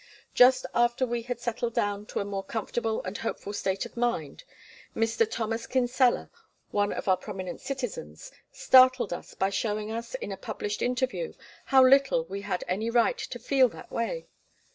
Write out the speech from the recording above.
Just after we had settled down to a more comfortable and hopeful state of mind Mr. Thomas Kinsella, one of our prominent citizens, startled us by showing us, in a published interview, how little we had any right to feel that way.